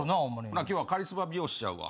今日はカリスマ美容師ちゃうわ。